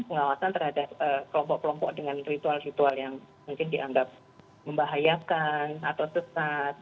pengawasan terhadap kelompok kelompok dengan ritual ritual yang mungkin dianggap membahayakan atau sesat